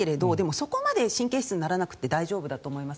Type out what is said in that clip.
そこまで神経質にならなくて大丈夫だと思います。